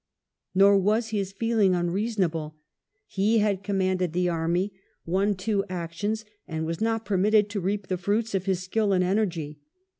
Nor was his feeling unreasonable. He had commanded the army, won two actions, and was not permitted to reap the fruits of his skill and energy.